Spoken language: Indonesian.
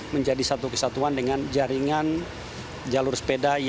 menjadi satu kesatuan dengan jaringan jalur sepeda y